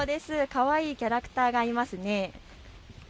かわいいキャラクターがいますね。